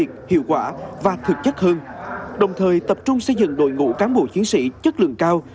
hiệu quả và thực chất hơn đồng thời tập trung xây dựng đội ngũ cán bộ chiến sĩ chất lượng cao